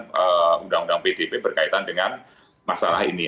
untuk mengenai undang undang pdp berkaitan dengan masalah ini